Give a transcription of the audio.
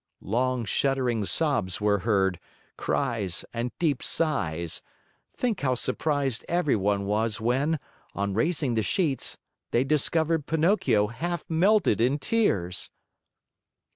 Long shuddering sobs were heard, cries, and deep sighs. Think how surprised everyone was when, on raising the sheets, they discovered Pinocchio half melted in tears!